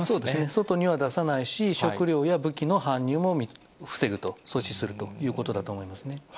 外には出さないし、食料や武器の搬入も防ぐと、阻止するということだと思いますね。